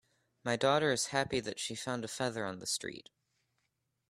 My daughter is happy that she found a feather on the street.